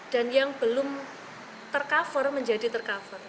dan yang belum tercover menjadi tercover